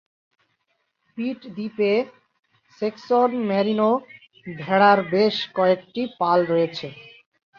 পিট দ্বীপে Saxon merino ভেড়ার বেশ কয়েকটি পাল রয়েছে।